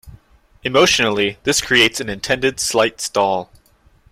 Emotionally, this creates an intended slight stall.